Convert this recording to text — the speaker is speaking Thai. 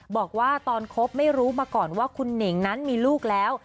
บอกว่าตอนคบไม่รู้มาก่อนว่าคุณหนิงนั้นมีลูกแล้ว